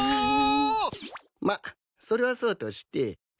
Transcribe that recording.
まぁそれはそうとして。